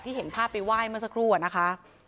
เห็นภาพไปไหว้เมื่อสักครู่อะนะคะ